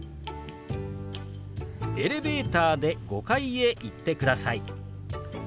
「エレベーターで５階へ行ってください」。